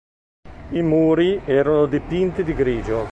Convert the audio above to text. I muri erano dipinti di grigio.